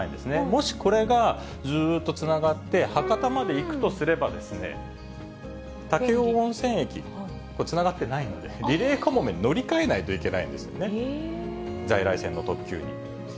もしこれがずーっとつながって、博多まで行くとすれば、武雄温泉駅、つながってないので、リレーかもめに乗り換えないといけないんですよね、在来線の特急に。